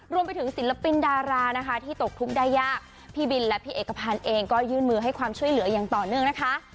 ศิลปินดารานะคะที่ตกทุกข์ได้ยากพี่บินและพี่เอกพันธ์เองก็ยื่นมือให้ความช่วยเหลืออย่างต่อเนื่องนะคะ